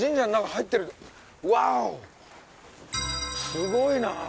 すごいなあ。